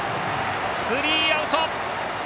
スリーアウト。